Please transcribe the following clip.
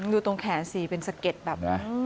ดูตรงแขนสิเป็นสะเก็ดแบบนี้